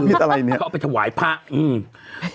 อะไรเนี้ยก็เอาไปถวายพระอืม